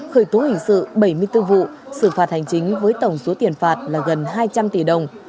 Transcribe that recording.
khởi tố hình sự bảy mươi bốn vụ xử phạt hành chính với tổng số tiền phạt là gần hai trăm linh tỷ đồng